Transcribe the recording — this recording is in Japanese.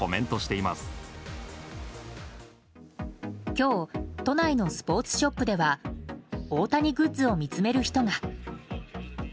今日都内のスポーツショップでは大谷グッズを見つめる人が。